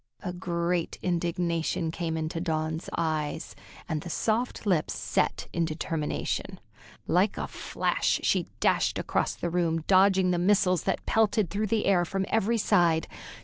A great indignation came into Dawn's eyes, and the soft lips set in determination. Like a flash she dashed across the room, dodging the missiles that pelted through the air from every side.